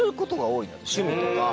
趣味とか。